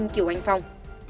điều anh phong